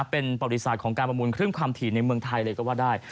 เป็นประวัติศาสตร์ของการประมูลครึ่งความถี่ในเมืองไทยเลยก็ว่าได้